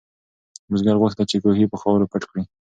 بزګر غوښتل چې کوهی په خاورو پټ کړي.